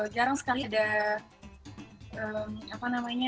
jadi untuk menangkap diaksi kemarin sebenarnya